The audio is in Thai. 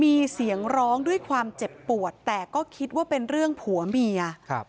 มีเสียงร้องด้วยความเจ็บปวดแต่ก็คิดว่าเป็นเรื่องผัวเมียครับ